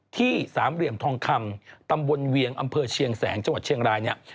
ที่สามเหลี่ยมทองคำตำบลเวียงอำเภอเชียงแสงจังหวัดเชียงรายเนี่ย